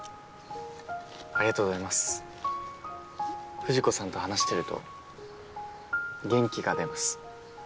藤子さんと話してると元気が出ます。